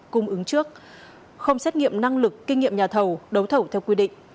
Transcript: cung ứng trước không xét nghiệm năng lực kinh nghiệm nhà thầu đấu thầu theo quy định